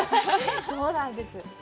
そうなんです。